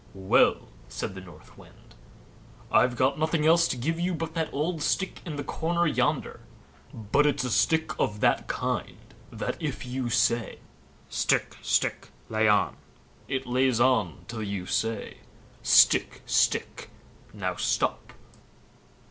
"Well!" said the North Wind; "I've nothing else to give you but that old stick in the corner yonder; but it's a stick of that kind that if you say: "'Stick, stick! lay on!' it lays on till you say: 'Stick, stick! now stop!